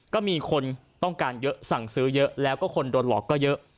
ก็มีคนต้องการเยอะสั่งซื้อเยอะแล้วก็คนโดนหลอกก็เยอะ